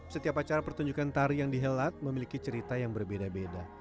setiap acara pertunjukan tari yang dihelat memiliki cerita yang berbeda beda